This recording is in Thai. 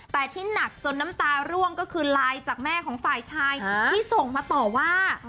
แต่ที่หนักจนน้ำตาร่วงก็คือไลน์จากแม่ของฝ่ายชายที่ส่งมาต่อว่า